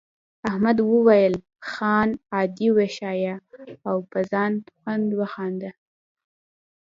احمد وویل خان عادي وښیه او په خوند وخانده.